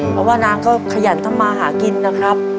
เพราะว่านางก็ขยันทำมาหากินนะครับ